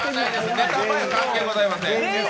ネタには、関係ございません。